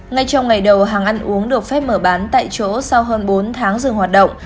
ngay trong ngày đầu hàng ăn uống được phép mở bán tại chỗ sau hơn bốn tháng dừng hoạt động